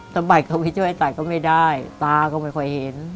สะบัดเข้าไปช่วยตัดก็ไม่ได้ตาก็ไม่ค่อยเห็น